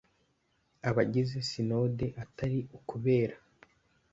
Abagize Sinode atari ukubera